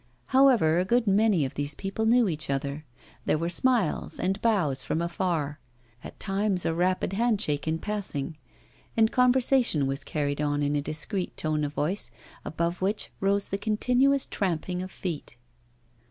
However, a good many of these people knew each other; there were smiles and bows from afar, at times a rapid handshake in passing. And conversation was carried on in a discreet tone of voice, above which rose the continuous tramping of feet.